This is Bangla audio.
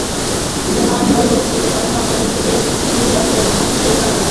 যাহা আমরা অনুভব করি না, আমাদের সেই বিষয়ের কোন স্মৃতি আসিতে পারে না।